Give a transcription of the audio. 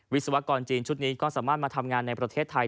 วิศวกรจีนชุดนี้ก็สามารถมาทำงานในประเทศไทย